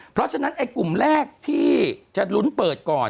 เพราะฉะนั้นไอ้กลุ่มแรกที่จะลุ้นเปิดก่อน